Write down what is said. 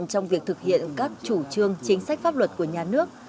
trong việc thực hiện các chủ trương chính sách pháp luật của nhà nước